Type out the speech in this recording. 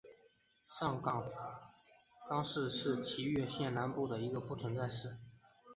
上福冈市是崎玉县南部的一个已不存在的市。